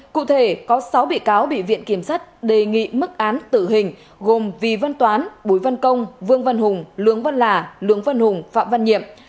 cụ thể có sáu bị cáo bị viện kiểm sát đề nghị mức án tử hình gồm vy văn toán bùi văn công vương văn hùng lương văn là lương văn hùng phạm văn nhiệm